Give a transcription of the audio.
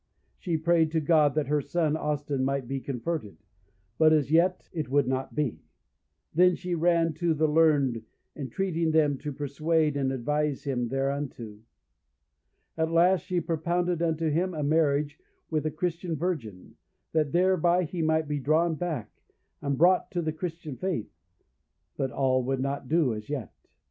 She prayed to God that her son Austin might be converted, but, as yet, it would not be; then she ran to the learned, entreating them to persuade and advise him thereunto. At last, she propounded unto him a marriage with a Christian virgin, that thereby he might be drawn back, and brought to the Christian faith; but all would not do as yet.